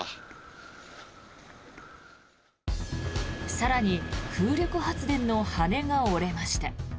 更に風力発電の羽根が折れました。